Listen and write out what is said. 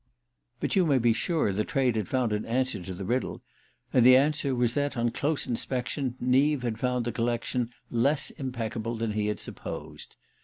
But you may be sure the trade had found an answer to the riddle; and the answer was that, on close inspection, Neave had found the collection less impeccable than he had supposed.